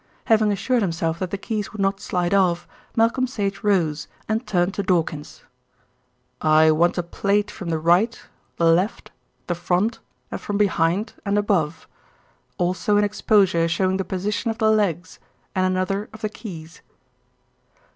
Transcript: Having assured himself that the keys would not slide off, Malcolm Sage rose and turned to Dawkins: "I want a plate from the right, the left, the front, and from behind and above. Also an exposure showing the position of the legs, and another of the keys."